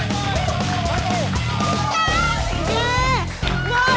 lihat mama harus percaya sama boy